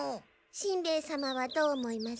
しんべヱ様はどう思います？